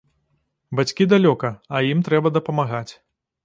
Бацькі далёка, а ім трэба дапамагаць.